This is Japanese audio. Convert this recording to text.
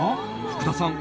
福田さん